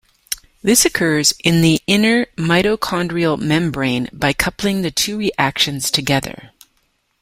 This occurs in the inner mitochondrial membrane by coupling the two reactions together.